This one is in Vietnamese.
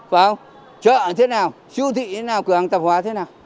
phải không chợ thế nào siêu thị thế nào cửa hàng tạp hóa thế nào